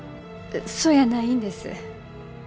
あそやないんです。